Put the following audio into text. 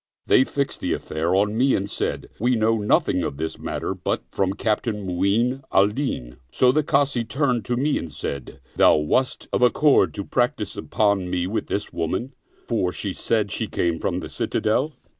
They fixed the affair on me and said, " We know nothing of this matter but from Captain Mu'in al Din." So the Kazi turned to me and said, " Thou wast of accord to practice upon me with this woman, for she said she came from the Citadel."